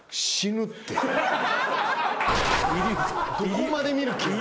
どこまで診る気？